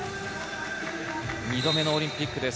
２度目のオリンピックです